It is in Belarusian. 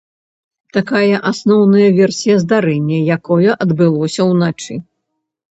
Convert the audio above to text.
Такая асноўная версія здарэння, якое адбылося ўначы.